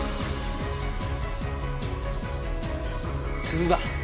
鈴だ。